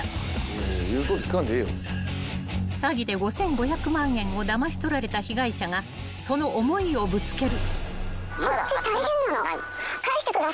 ［詐欺で５，５００万円をだまし取られた被害者がその思いをぶつける］